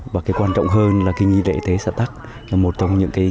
và quan trọng hơn là nghi lễ tế xã tắc là một trong những nghi lễ